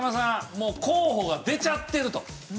もう候補が出ちゃってると。